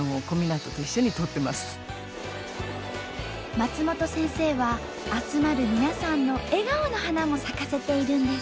松本先生は集まる皆さんの笑顔の花も咲かせているんです。